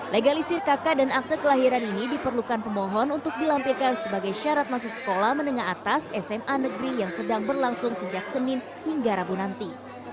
legalisir kakak dan akte kelahiran ini diperlukan pemohon untuk dilampirkan sebagai syarat masuk sekolah menengah atas sma negeri yang sedang berlangsung sejak senin hingga rabu nanti